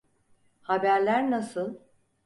Haberler nasıl?